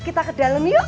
kita ke dalam yuk